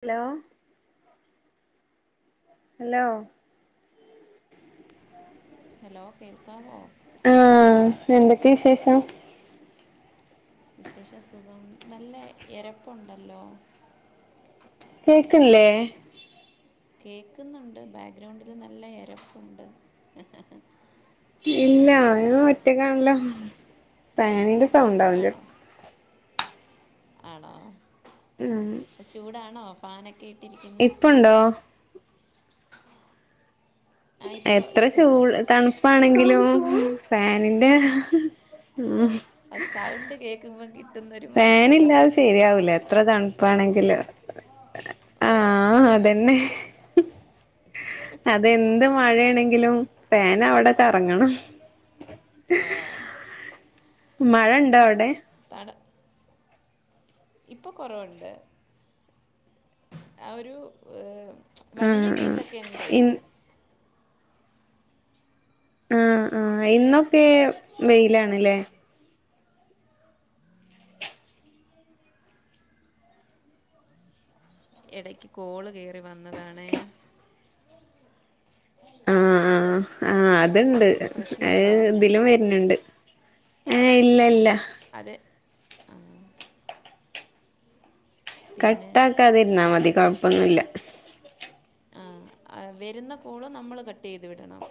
Hello hello hello കേൾക്കാവോ ആഎന്തൊക്കെ വിശേഷം വിശേഷ സുഖം നല്ല എരപ്പുണ്ടല്ലോ കേക്ക്ല്ലേ കേക്കുന്നുണ്ട് ബാഗ്രൗണ്ടില് നല്ല എരപ്പുണ്ട് ഇല്ല അ ഒറ്റക്കാണല്ലോ ഫാനീന്റെ ഇപ്പോഉണ്ടാവില്ല ആണോ ആണോ ചൂടാണോ ഫോ- പാനക്കോ ഇപ്പോ ഉണ്ടോ ആ ഇപ്പോൾ എത്ര ഇപ്പോൾ ചൂ ഇല്ല ട്തണുപ്പാണെങ്കിലും ഫാനിന്റെ അ സൗണ്ട് കേക്കുമ്പോ കിട്ട- ഫാൻഇല്ലാതെ ശരിയാവൂല എത്ര തണുപ്പാണെങ്കില് ആ അതെന്നെ അതെന്ത് മഴയാണെങ്കിലും ഫേൻ അവിടെ കറങ്ങണം മഴ ഉണ്ടോ അവിടെ ഇപ്പൊ കുറവുണ്ട് ആ ഒരു വലിയ ആഹ് ആഹ് പെയ്ത്തൊക്കെ അങ്ങ് ഇൻ കഴിഞ്ഞു ആ ആ ഇന്നൊക്കെ വെയിലാണല്ലേ ഇടക്ക് കോള് കേയറി വന്നതാണ് ആ ആ ആഹ് അ ഇത്ണ്ട് അ പ്രശ്നമുണ്ടോ ഇതിലും വരുന്നുണ്ട് ഏ ഇല്ല ഇല്ല ആ കട്ട ആക്കാതിരുന്ന മതി കുഴപ്പൊന്നുമില്ല ആ വരുന്ന കോളും നമ്മൾ കട്ട് ചെയ്ത് വിടണം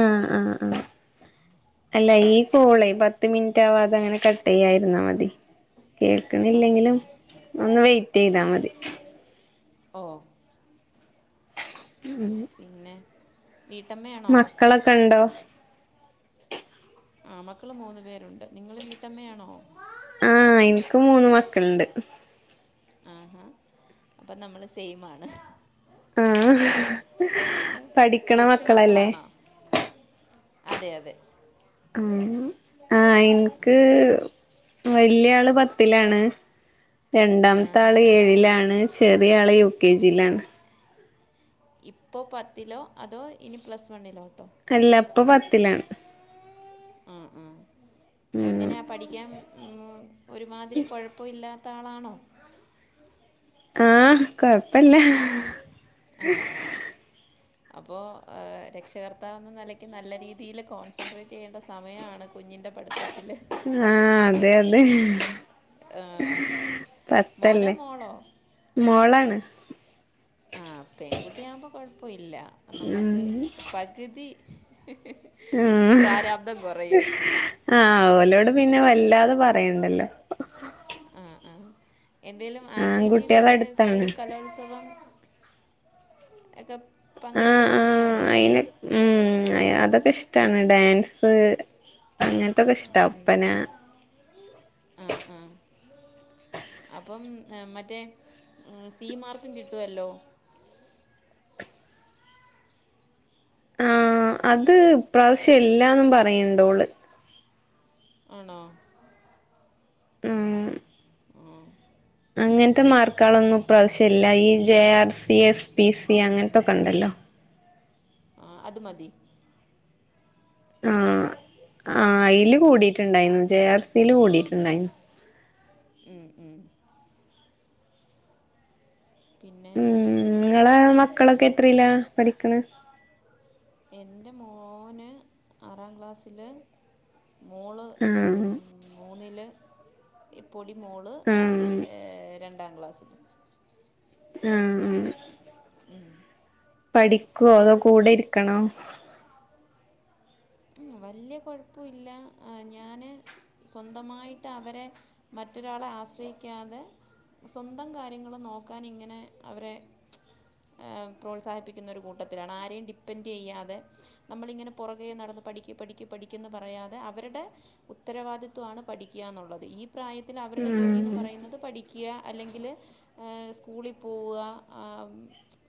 ആ ആ ആ അല്ല ഈ കോളേ പത്ത് മിനിറ്റവാത അങ്ങനെ കട്ട് ചെയ്യായിരുന്നാ മതി കേൾക്കണില്ലെങ്കിലും ഒന്ന് വെയ ചെയ്താ മതി ഓ പിന്നെ വീട്ടമ്മയാണോ മക്കളൊക്കെ ഉണ്ടോ ആ മക്കള് മൂന്നു പേരുണ്ട് നിങ്ങള് വീട്ടമ്മയാണോ ആ എനിക്ക് മൂന്ന് മക്കളുണ്ട് ആഹാ അപ്പൊ നമ്മള് സെയിംആണ് ഉം പഠിക്കണ കൊച്ചു മക്കളല്ലേ മക്കളാണോ അതെ അതെ ഉം ആ എനിക്ക് വലിയ ആള് പത്തിലാണ് രണ്ടാമത്തെ ആഹാ ആള് ഏഴിലാണ് ചെറിയ ആള് യു കെ ജിയിലാണ് ഇപ്പോ പത്തിലോ അതോ ഇനി പ്ലസ് വണ്ണിലോ അല്ല ഇപ്പം പത്തിലാണ് ആ ആ ഉം എങ്ങനെയാ പഠിക്കാൻ ഉം, ഒരുമാതിരി കുഴപ്പം ഇല്ലാ ത്താളാണോ ആ കൊഴപ്പവില്ല അപ്പോ രക്ഷകർത്താവെന്ന നിലക്ക് നല്ല രീതില് കോൺസെൻട്രേറ്റ് ചെയ്യേണ്ട സമയാണ് ആ അതെ അതെ ആ മോനോ പത്തല്ലേ മോളോ മോളാണ് ആ പെൺകുട്ടിയാവുമ്പോ കൊഴപ്പം ഇല്ല നമ്മുക്ക് പകുതി ഉം പ്രാരാബ്ദം കുറയും ആ അവലോട് പിന്നെ വ ല്ലാതെ പറയണ്ടല്ലോ. ആഹ് ആഹ്. എന്തേലും ആൺകുട്ടികളെ ആക്ടിവിറ്റീസൊക്കെ സ്കൂൾ അടുത്താണ് കലോത്സവം എകം ആഹ് ആ അയിന് ഉം എ അതൊക്കെ ഇഷ് ട്ടാണ് ഡാൻസ് അങ്ങൻത്തൊക്കെ ഇഷ്ടാ ഒപ്പന ആ ആ അ മറ്റേ ഉം സി മാർക്കും കിട്ടുവല്ലോ. ആഹ് അത് ഇപ്രാശ്യം ഇല്ലാന്നും പറയണ്ട് ഓള്. ആണോ. ഉം. ആഹ്. അങ്ങൻത്തെ മാർക്കാളൊന്നും ഇപ്രാവശ്യ ഇല്ല. ഈ J R C S P C അങ്ങൻത്തൊക്കെണ്ടല്ലോ. ആഹ് അത് മതി. ആഹ് ആ അയില് കൂടീട്ട്ണ്ടായീന്നു. J R സിയില് കൂടീട്ടുണ്ടായ്ഞ്. ഉം ഉം. പിന്നെ ഉം ങ്ങളെ മക്കളൊക്കെ എത്രെലാ? പഠിക്ക്‌ണ്‌. എന്റെ മോന് ആറാം ക്ലാസില്. മോള് ഉം ആഹ് മൂന്നില്. ഇപ് പൊടിമോള് ആഹ് രണ്ടാം ക്ലാ ആഹ് ഉം. പഠിക്കുവോ അതോ കൂടെ ഇരിക്കണോ? ഉം വലിയ കുഴപ്പം ഇല്ല ഞാന് സ്വന്തമായിട്ട് അവരെ മറ്റൊരാളെ ആശ്രയിക്കാതെ സ്വന്തം കാര്യങ്ങള് നോക്കാൻ ഇങ്ങനെ അവരെ പ്രോത്സാഹിപ്പിക്കുന്ന ഒരു കൂട്ടത്തിലാണ് ആരെയും ഡിപ്പെൻഡ് ചെയ്യാതെ നമ്മളിങ്ങനെ പുറകെ നടന്ന് പഠിക്ക് പഠിക്ക് പഠിക്കെന്ന് പറയാതെ അവരുടെ ഉത്തരവാദിത്വണ് പഠിക്കുക എന്നുള്ളത് ഈ പ്രായത്തിൽ അവരുടെ ഉം ജോലിന്ന് പറയുന്നത് പഠിക്കുക അല്ലെങ്കില് സ്കൂളി പോവുക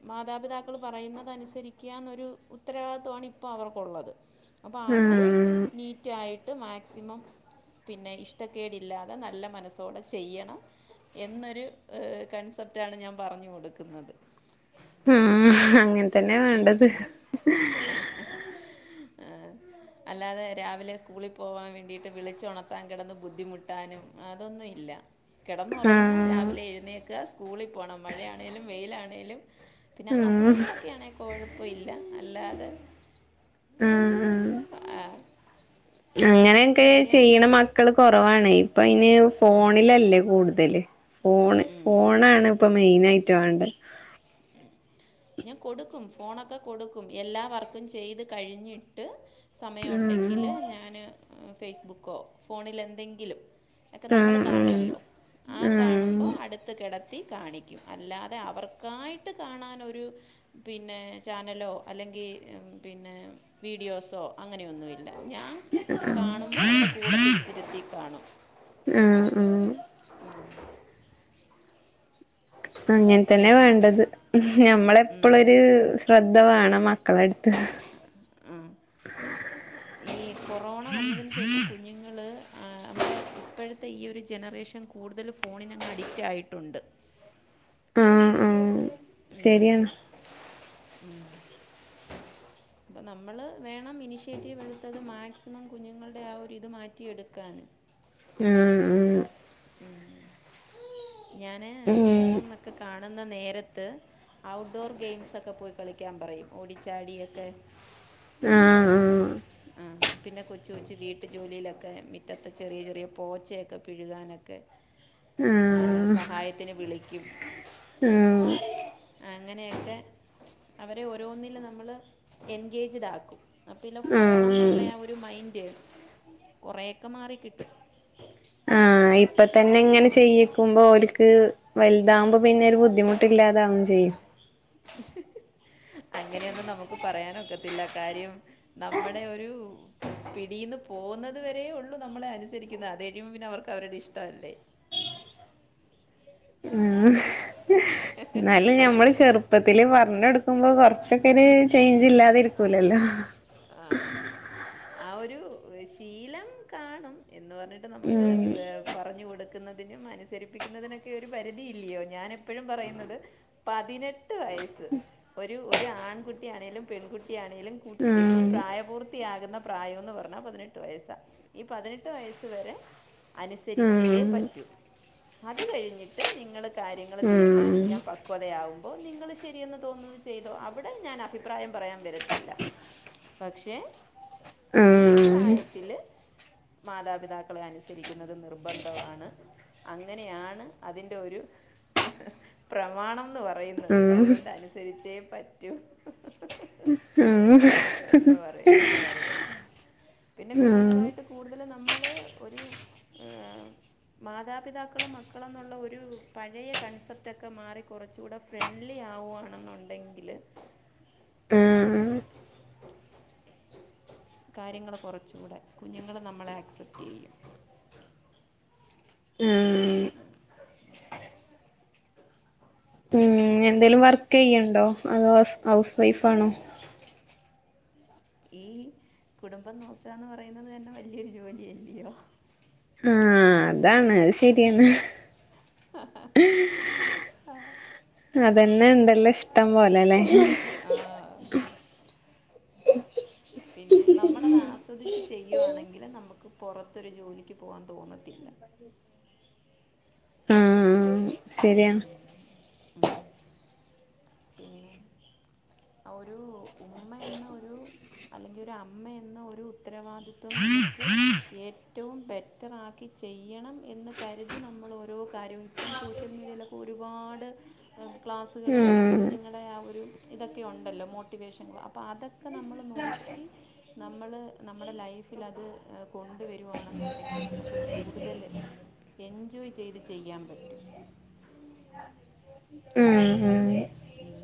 മാതാപിതാക്കള് പറയുന്നതനുസരി ക്ക്യാന്നൊരു ഉത്തരവാദിത്വമാണ് ഇപ്പോ അവർക്കുള്ളത്. അപ്പം അത് ഉം നീറ്റായി ട്ട് മാക്സിമം പിന്നെ ഇഷ്ടക്കേടില്ലാതെ നല്ല മനസ്സോടെ ചെയ്യണം. എന്നൊരു ഏഹ് കൺസെപ്റ്റാണ് ഞാൻ പറഞ്ഞു കൊടുക്കുന്നത്. ആഹ് അങ്ങനെ തന്നെയാ വേണ്ടത്. ആഹ് അല്ലാതെ രാവിലെ സ്കൂളി പോവാൻ വേണ്ടിയിട്ട് വിളിച്ച് ഉണർത്താൻ കിടന്ന് ബുദ്ധിമുട്ടാനും അതൊന്നും ഇല്ല. കെടന്നുറങ്ങാ ആഹ് രാവിലെ എഴു പിന്നെയൊക്കെ സ്കൂളി പോണം മഴയാണെലും വെയിലാണെലും പിന്ന ഉം അസുഖങ്ങളൊക്കെയാണെ കൊഴ പ്പ ഇല്ല അല്ലാതെ ആഹ് ആഹ് ആഹ് അങ്ങനെയൊക്കെ ചെയ്യണ മക്കള് കുറവാണെ. അപ്പ ഇനി ഫോണിലല്ലേ കൂടുതല്, ഫോണ്, ഫോണാണ്. ഇപ്പൊ മെയിൻ ആയിറ്റ വേണ്ട. ഉം ഞാൻ കൊടുക്കും, ഫോണൊക്കെ കൊടുക്കും, എല്ലാ വർക്കും ചെയ്ത് കഴിഞ്ഞിട്ട്. സമയമ ഉം ഉണ്ടെങ്കിൽ ഞാന് ഉം ഫേസ്ബുക്കോ, ഫോണിൽ എന്തെങ്കിലും. ഒക്കെ ഉം നമ്മൾ ഉം കാണുവല്ലോ ആ ഉം കാണുമ്പോ അടുത്ത് കിട ത്തി കാണിക്കും, അല്ലാതെ അവർക്കായി ട്ട് കാണൻ ഒരു പിന്നെ ചാനലോ അല്ലെങ്കിൽ പിന്നെ വീഡിയോസോ അങ്ങനെയൊന്നുമി ല്ല, ഞാൻ കാണുമ്പോ എന്റെ കൂടെ പിടിച്ചിരുത്തി കാണും ഉം ഉം ഉം. അങ്ങനെ തന്നെ പിന്നെ വേണ്ടത്, ഉം. ഞമ്മളെപ്പോളൊരു ശ്രദ്ധ വേണം മക്കളുടെ അടുത്ത്. ഈ കൊറോണ വന്നതിന് ശേഷം കുഞ്ഞുങ്ങള് ങ [unintelligible] ഇപ്പോഴത്തെ ഈ ഒരു ജനറേഷൻ കൂടുതല് ഫോണിനങ്ങ് അഡിക്റ്റ് ആയിട്ടുണ്ട്. ആഹ ആഹ. ശരിയാണ്. ഉ അപ്പ നമ്മള് വേണം ഇനിഷ്യേറ്റീവ് എടുത്തത് മാക്സിമം കുഞ്ഞുങ്ങളുടെ ആ ഒരുരിത് മാറ്റിയെടുക്കാന്. ങ ഹ. ഉം [unintelligible] ഞാന് ഉം ഫോൺന്നൊക്കെ കാണ ന്ന നേര ത്ത് ഔട്ട്ഡോർ ഗെയിംസൊക്കെ പോയി കളിക്കാൻ പറയും ഓടിച്ചാടിയൊക്കെ ആഹ് ആ, ആഹ് പിന്നെ കൊച്ചു കൊച്ച് വീട്ടു ജോലിയിലൊക്കെ മിറ്റത്തെ ചെറിയ ചെറിയ പോച്ചയൊക്കെ പിഴുകാനൊക്കെ ഏഹ് ആഹ് സഹായത്തിന് വിളി ക്കും ആഹ് അങ്ങനെയൊക്കെ അവരെ ഓരോന്നില് നമ്മള് എൻഗേജ്ഡ് ആക്കും അപ്പൊ ഇല്ല ആഹ് ഫോണന്നുള്ള ആ ഒരു മൈൻ ന്റ് കുറേ ഒക്കെ മാറിക്കിട്ടും തന്നിങ്ങനെ ചെയ്യിക്കുമ്പോ ഓല്ക്ക് വലുതാകുമ്പോ പിന്നെ ഒരു ബുദ്ധിമുട്ടില്ലാതാവും ചെയ്യും [unintelligible] അങ്ങനെയൊന്ന് നമുക്ക് പറയാനൊക്ക ത്തില്ല കാര്യം നമ്മുടെ ഒരു പിടീന്ന് പോകുന്നത് വരേ ഉള്ളു നമ്മളെ അനുസരിക്കുന്നത് അത് കഴിയുമ്പ പിന്നെ അവർക്ക് അവരുടെ ഇഷ്ടമല്ലേ? എന്നാല് ഞമ്മള് ചെറുപ്പത്തില് പറഞ്ഞ് കൊടുക്കുമ്പോ കൊറച്ചൊക്കര് ത്തേന് ജില്ലാതിരിക്കൂലല്ലോ. ആ ഒരു ശീലം കാണും. എന്ന് പറഞ്ഞിട്ട് നമുക്ക് ഉം ഏഹ് പറഞ്ഞു കൊടുക്കുന്ന തിനും അനുസരിപ്പിക്കുന്നതിനൊക്കെ ഒരു പരിധി ഇല്ല്യയോ ഞാൻ എപ്പഴും പറയുന്നത് പതിനെ ട്ട് വയസ്സ് ഒരു ഒരു ആൺകുട്ടി ട്ടി ആണേലും പെൺകു ട്ടി ആണെങ്കിലും കുട്ടി ഉം പ്രായപൂർത്തിയാ കുന്ന പ്രായമെന്ന് പറഞ്ഞാ പതിനെട്ട് വയസ്സാ ഈ പതിനെട്ട് വയസ് വരെ അനുസരിച്ചേ ഉം പറ്റൂ അത് കഴിഞ്ഞിട്ട് നിങ്ങൾക്ക് കാര്യങ്ങള് ഉം തീരുമാനിക്കാൻ പക്വതയാവും. അപ്പോ നിങ്ങള് ശരിയെന്ന് തോന്നുന്നത് ചെയ്തോ അവിടെ ഞാൻ അഫി പ്രായം പറയാൻ വരത്തില്ല പക്ഷെ ഉം ഈ ഉം പ്രായത്തില് മാതാപിതാക്കളെ അനുസരിക്കുന്നത് നിർബന്ധമാണ്. അങ്ങനെയാണ് അതിൻ്റെ ഒരു പ്രമാണം. ന്ന് പറയുന്നത് ഉം അതുകൊണ്ട് അനുസരിച്ചേ പറ്റും എന്ന് പറയും എന്ന് പറയും പിന്നെ ഉം കുഞ്ഞുങ്ങളുവായിട്ട് കൂടുതല് നമ്മൾ ഒരു ഏഹ് മാതാപിതാക്കളും മക്കളെന്നുള്ള ഒരു പഴയ കൺസെപ്റ്റൊക്കെ മാറി കുറച്ചൂടെ ഫ്രണ്ട്ലി ആവുവാണെന്നുണ്ടെങ്കില് ഉം കാര്യങ്ങള് കുറച്ചൂടെ കുഞ്ഞുങ്ങള് നമ്മളെ ആക്സെപ്റ്റ് ചെയ്യും. ഉം ആഹ് ഇനി എന്തേലും വർക്ക് ചെയ്യണ്ടോ അതോ ഹൗസ് ഹൗസ് വൈഫാണോ? ഈ കുടുംബം നോക്കുകാന്ന് പറയുന്നത് തന്നെ വല്ല്യൊരു ജോലിയല്ലിയോ? ആഹ് അതാണ് അത് ശരിയാണ് അതന്നെ ഇണ്ടല്ലോ ഇഷ്ടം പോലെ ല്ലേ ആ, പിന്നെ നമ്മളത് ആസ്വദിച്ച് ചെയ്യുവാണെങ്കില് നമക്ക് പൊറത്തൊരു ജോലിക്ക് പോവാൻ തോന്നത്തില്ല. ആ ആ ഉം ഉം ഉം പിന്നെ ഒരു ഉമ്മ എന്ന ഒരു അല്ലെങ്കിൽ ഒരു അമ്മ എന്ന ഒരു ഉത്തരവാദിത്വം നമക്ക് ഏ ഏറ്റവും ബെറ്റർ ആക്കി ചെയ്യണം എന്ന് കരുതി നമ്മളോരോ കാര്യം ഇപ്പം സോഷ്യൽ മീഡിയേലൊക്കെ ഒരുപാട് ക്ലാസ്സുകളും ഉം കുഞ്ഞുങ്ങളെ ആ ഒരു ഇത് ക്കെ ഒണ്ടല്ലോ മോട്ടിവേഷൻ ക്ലാ അപ്പൊ അതൊക്കെ നമ്മള് നോക്കി നമ്മള് നമ്മടെ ലൈഫിലത് ഏഹ് കൊണ്ടുവരുവാണെന്നുണ്ടെങ്കില് നമുക്ക് കൂടുതല് എൻജോയ് ചെയ്ത് ചെയ്യാൻ പറ്റും. ഉം ഉം ഉം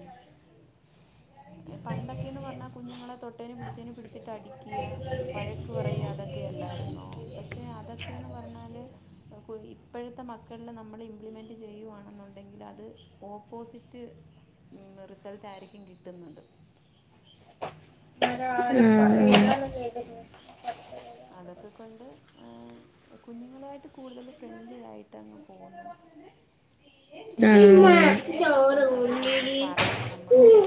ഏഹ് പണ്ടൊക് ക്കേന്ന് പറഞ്ഞാ കുഞ്ഞുങ്ങളെ തൊട്ടേനും പിടിച്ചേനും പിടിച്ചിട്ട് അടിയ്ക്കാ, വഴക്ക് പറയാ അതൊക്കെയല്ലായിരുന്നോ പക്ഷെ അതൊ ക്കേന്ന് പറഞ്ഞാല് [unintelligible] ഇപ്പഴത്തെ മക്കളില് നമ്മള് ഇംപ്ലിമെൻറ് ചെയ്യുവാണെന്നുണ്ടെങ്കില് അത് ഓപ്പോസിറ്റ് റിസൾട്ട് ആയിരിക്കും കി ട്ടുന്നത് ഉം അതൊക്കെ കൊണ്ട് ഏഹ് കുഞ്ഞുങ്ങളുവായിട്ട് കൂടുതല് ഫ്രണ്ട്ലി ആയിട്ട് അങ്ങ് പോവുന്നു ഉം എന്തുണ്ടെങ്കിലും അപ്പം അവര് വന്ന് പറയും നമ്മളോട്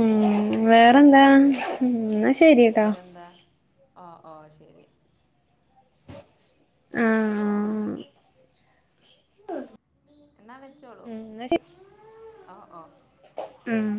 ഉം വേറെന്താ എന്നാ ശരിട്ടോ വേറെന്താ ഓ ഓ ശെരി ആഹ് എന്നാ വെച്ചോളൂ ഉം എന്നാ ശെ ഓ ഓ ഉം